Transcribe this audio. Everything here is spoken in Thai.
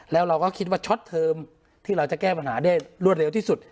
และเราก็ช็อตเทอมที่เราจะแก้ปัญหารวดเร็วที่สุด